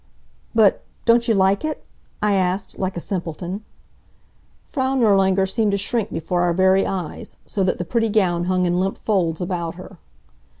"But don't you like it?" I asked, like a simpleton. Frau Nirlanger seemed to shrink before our very eyes, so that the pretty gown hung in limp folds about her.